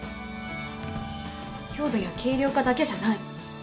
強度や軽量化だけじゃない。